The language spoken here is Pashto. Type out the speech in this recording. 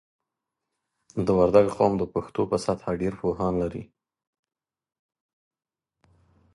د وردګو قوم د پښتنو په سطحه ډېر پوهان لري.